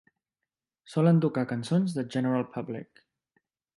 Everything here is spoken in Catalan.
Solen tocar cançons de General Public.